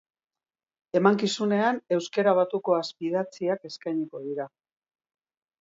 Emankizunean, euskara batuko azpidatziak eskainiko dira.